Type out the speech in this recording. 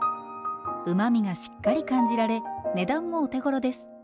うまみがしっかり感じられ値段もお手ごろです。